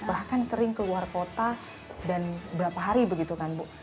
bahkan sering keluar kota dan berapa hari begitu kan bu